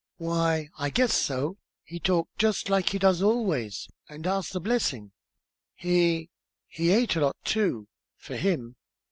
"Why I guess so. He talked just like he does always, and asked the blessin'. He he ate a lot, too for him.